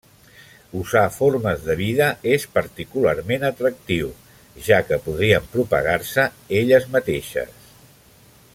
Usar formes de vida és particularment atractiu, ja que podrien propagar-se elles mateixes.